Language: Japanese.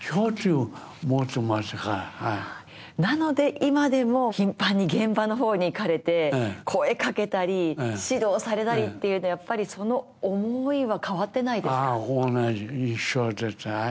今でも頻繁に現場の方に行かれて声かけたり指導されたりっていうのはやっぱりその思いは変わってないですね